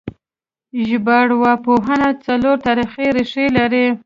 ژبارواپوهنه څلور تاریخي ریښې لري